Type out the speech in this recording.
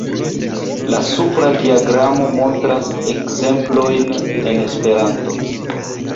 La supra diagramo montras ekzemplojn en esperanto.